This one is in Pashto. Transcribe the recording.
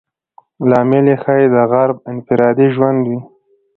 لامل یې ښایي د غرب انفرادي ژوند وي.